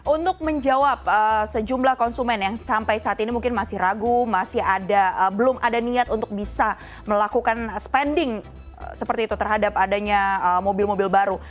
untuk menjawab sejumlah konsumen yang sampai saat ini mungkin masih ragu masih ada belum ada niat untuk bisa melakukan spending seperti itu terhadap adanya mobil mobil baru